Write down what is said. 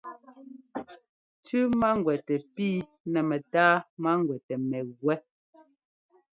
Tʉ́ máŋguɛtɛ pǐ nɛ mɛtáa máŋguɛtɛ mɛgúɛ́.